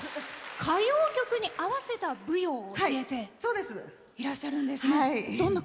歌謡曲に合わせた舞踊を教えていらっしゃるんですね。